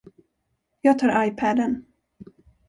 Jag tar iPaden.